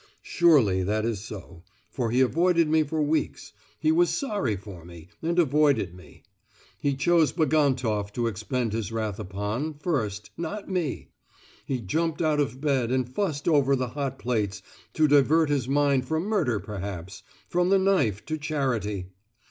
Surely that is so; for he avoided me for weeks—he was sorry for me, and avoided me. He chose Bagantoff to expend his wrath upon, first, not me! He jumped out of bed and fussed over the hot plates, to divert his mind from murder perhaps—from the knife to charity!